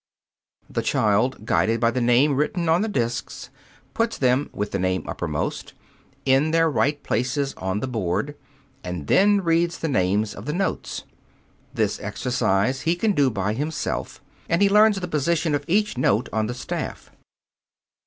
The child, guided by the name written on the discs, puts them, with the name uppermost, in their right places on the board and then reads the names of the notes. This exercise he can do by himself, and he learns the position of each note on the staff.